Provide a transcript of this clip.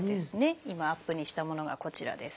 今アップにしたものがこちらです。